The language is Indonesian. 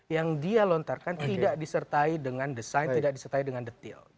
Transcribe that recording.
yang dia lontarkan tidak disertai dengan desain tidak disertai dengan detail